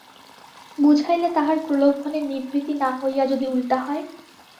বুঝাইলে তাহার প্রলোভনের নিবৃত্তি না হইয়া যদি উলটা হয়।